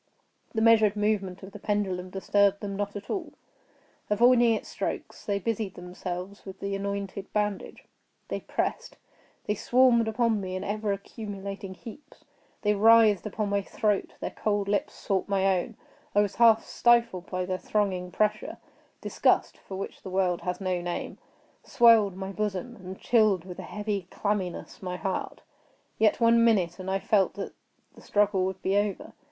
The measured movement of the pendulum disturbed them not at all. Avoiding its strokes they busied themselves with the anointed bandage. They pressed—they swarmed upon me in ever accumulating heaps. They writhed upon my throat; their cold lips sought my own; I was half stifled by their thronging pressure; disgust, for which the world has no name, swelled my bosom, and chilled, with a heavy clamminess, my heart. Yet one minute, and I felt that the struggle would be over.